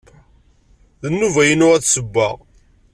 D nnuba-inu ad ssewweɣ.